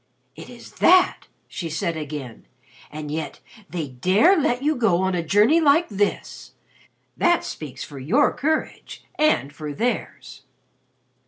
"It is that!" she said again. "And yet they dare let you go on a journey like this! That speaks for your courage and for theirs."